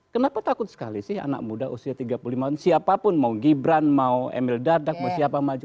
kenapa takut sekali sih anak muda usia tiga puluh lima tahun siapapun mau gibran mau emil dardak mau siapa maju